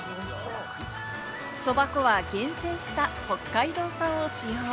そば粉は厳選した北海道産を使用。